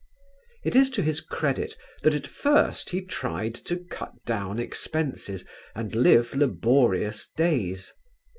It is to his credit that at first he tried to cut down expenses and live laborious days.